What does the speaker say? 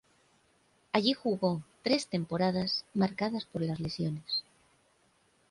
Allí jugó tres temporada marcadas por las lesiones.